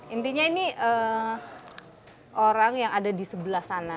intinya ini orang yang ada di sebelah sana